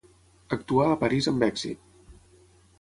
Actuà a París amb èxit.